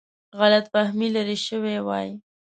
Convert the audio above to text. غلط فهمي لیرې شوې وای.